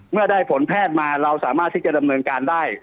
เมื่อได้ผลแพทย์มาเราสามารถที่จะดำเนินการได้